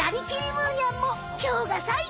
むーにゃん」もきょうがさいご！